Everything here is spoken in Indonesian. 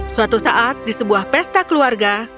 suatu saat di sebuah pesta keluarga